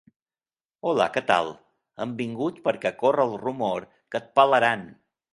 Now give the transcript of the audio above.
Hola què tal, hem vingut perquè corre el rumor que et pelaran!